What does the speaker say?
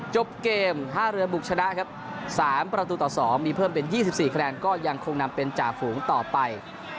จบเกมท่าเรือบุกชนะครับ๓ประตูต่อ๒มีเพิ่มเป็น๒๔คะแนนก็ยังคงนำเป็นจ่าฝูงต่อไป